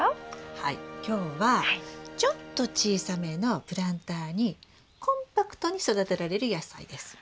はい今日はちょっと小さめのプランターにコンパクトに育てられる野菜です。